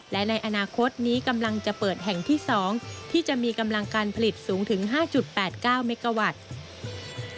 และในอนาคตนี้กำลังจะเปิดแห่งที่๒ที่จะมีกำลังการผลิตสูงถึง๕๘๙เมกาวัตต์